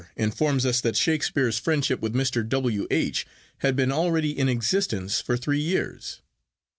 informs us that Shakespeare's friendship for Mr. W. H. had been already in existence for three years.